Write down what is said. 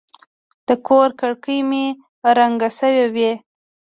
د کور کړکۍ مې رنګه شوې وې.